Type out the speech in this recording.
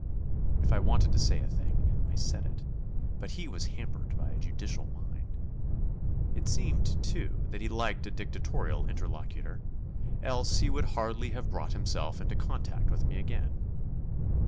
If I wanted to say a thing, I said it; but he was hampered by a judicial mind. It seemed, too, that he liked a dictatorial interlocutor, else he would hardly have brought himself into contact with me again.